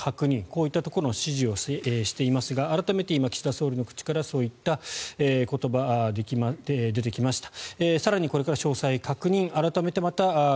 こういったところの指示をしていますが改めて今、岸田総理の口からそういった言葉が出てきました。